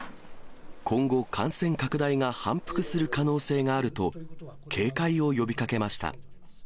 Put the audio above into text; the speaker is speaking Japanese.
今後感染拡大が反復する可能性があると警戒を呼びかけました。